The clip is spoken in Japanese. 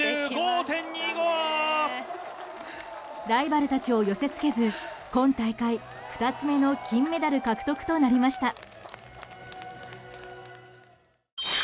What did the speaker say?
ライバルたちを寄せ付けず今大会２つ目の金メダル獲得となりました。